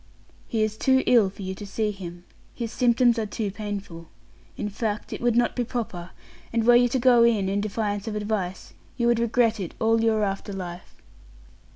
"He is too ill for you to see him his symptoms are too painful. In fact, it would not be proper; and were you to go in in defiance of advice, you would regret it all your after life."